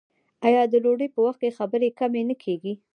آیا د ډوډۍ په وخت کې خبرې کمې نه کیږي؟